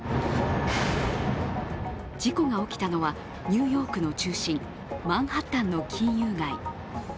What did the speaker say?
事故が起きたのはニューヨークの中心、マンハッタンの金融街。